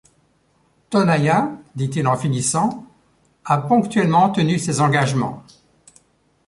Tonaïa, dit-il en finissant, a ponctuellement tenu ses engagements.